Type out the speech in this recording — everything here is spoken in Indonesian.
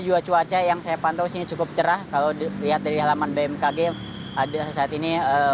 juga cuaca yang saya pantau sini cukup cerah kalau dilihat dari halaman bmkg ada saat ini